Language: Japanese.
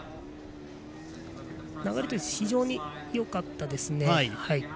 流れとして非常によかったですね。